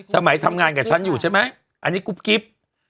ทำงานกับฉันอยู่ใช่ไหมอันนี้กุ๊บกิ๊บ